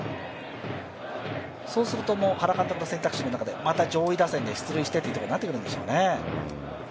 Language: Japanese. そうすると原監督の選択肢の中でまた上位打線で出塁してというところになってくるんでしょうね。